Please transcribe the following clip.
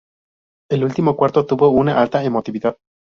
El último cuarto tuvo una alta emotividad.